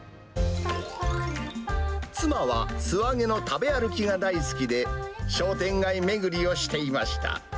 妻は素揚げの食べ歩きが大好きで、商店街巡りをしていました。